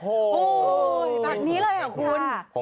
โหแบบนี้เลยหรอคุณ